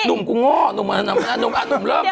หนุ่มกูโง่หนุ่มเริ่ม